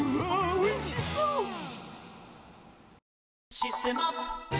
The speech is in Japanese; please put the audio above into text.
「システマ」